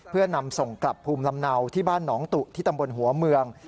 เพื่อนำส่งกลับภูมิลำเนาที่บ้านหนองตุที่ตำบลหัวเมือง